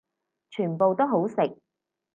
全部都好食